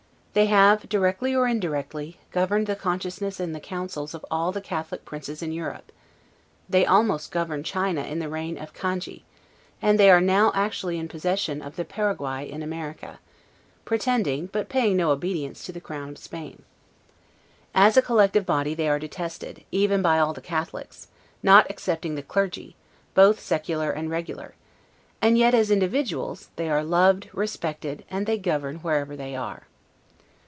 They have, directly or indirectly, governed the consciences and the councils of all the Catholic princes in Europe; they almost governed China in the reign of Cangghi; and they are now actually in possession of the Paraguay in America, pretending, but paying no obedience to the Crown of Spain. As a collective body they are detested, even by all the Catholics, not excepting the clergy, both secular and regular, and yet, as individuals, they are loved, respected, and they govern wherever they are.